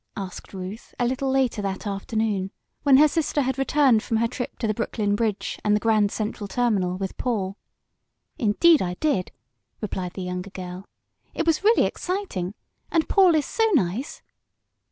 asked Ruth, a little later that afternoon, when her sister had returned from her trip to the Brooklyn Bridge, and the Grand Central Terminal, with Paul. "Indeed I did!" replied the younger girl. "It was really exciting. And Paul is so nice!"